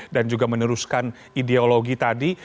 dan juga meneruskan ideologi tadi